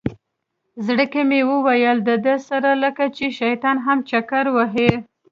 زړه کې مې ویل ده سره لکه چې شیطان هم چکر ووهي.